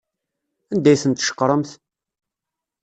Anda ay tent-tceqremt?